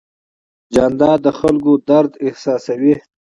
جانداد د خلکو درد احساسوي.